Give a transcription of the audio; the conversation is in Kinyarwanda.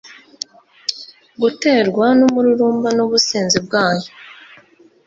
guterwa numururumba nubusinzi bwayo